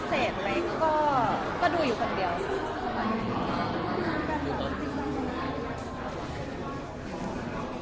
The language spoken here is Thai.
พิเศษไหมก็ดูอยู่คนเดียวสิ